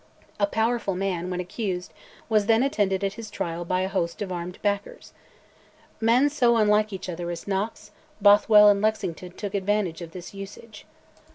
A powerful man, when accused, was then attended at his trial by hosts of armed backers. Men so unlike each other as Knox, Bothwell, and Lethington took advantage of this usage.